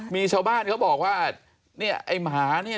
มาน่ารักมากเลยน่ะ